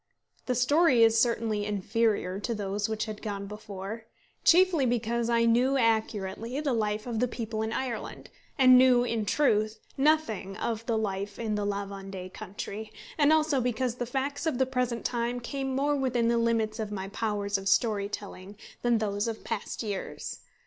The story is certainly inferior to those which had gone before; chiefly because I knew accurately the life of the people in Ireland, and knew, in truth, nothing of life in the La Vendée country, and also because the facts of the present time came more within the limits of my powers of story telling than those of past years.